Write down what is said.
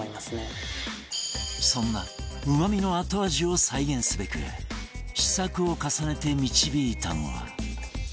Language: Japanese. そんなうま味の後味を再現すべく試作を重ねて導いたのは